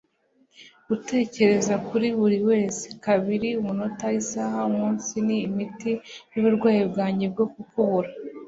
gutekereza kuri buri wese; kabiri, umunota, isaha, umunsi, ni imiti yuburwayi bwanjye bwo kukubura